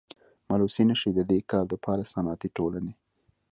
ملوثي نشي ددي کار دپاره صنعتي ټولني.